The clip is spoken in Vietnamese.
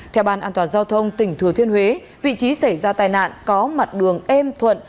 theo ban an toàn giao thông tỉnh thừa thiên huế vị trí xảy ra tai nạn có mặt đường êm thuận